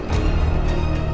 senang kecuali gak bakal kesini